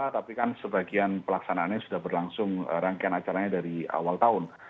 tapi kan sebagian pelaksanaannya sudah berlangsung rangkaian acaranya dari awal tahun